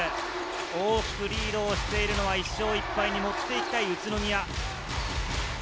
大きくリードしているのは１勝１敗に持って行きたい、宇都宮。